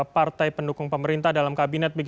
partai pendukung pemerintah dalam kabinet